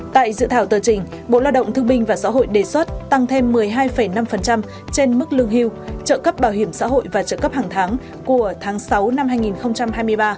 tại dự thảo tờ trình bộ lao động thương binh và xã hội đề xuất tăng thêm một mươi hai năm trên mức lương hưu trợ cấp bảo hiểm xã hội và trợ cấp hàng tháng của tháng sáu năm hai nghìn hai mươi ba